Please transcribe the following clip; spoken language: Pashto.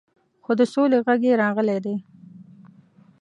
خو د سولې غږ یې راغلی دی.